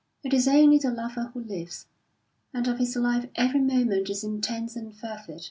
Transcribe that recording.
It is only the lover who lives, and of his life every moment is intense and fervid.